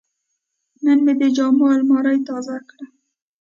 نن مې د جامو الماري تازه کړه.